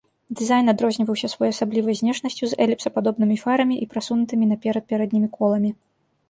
Дызайн адрозніваўся своеасаблівай знешнасцю з эліпсападобнымі фарамі і прасунутымі наперад пярэднімі коламі.